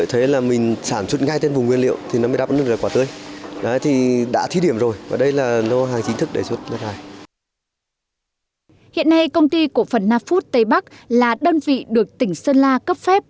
hiện nay công ty cổ phần nafut tây bắc là đơn vị được tỉnh sơn la cấp phép